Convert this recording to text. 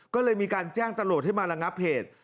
ก็เลยมีการแจ้งตำรวจให้มาระงับเหตุ